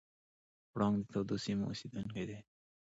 پړانګ د تودو سیمو اوسېدونکی دی.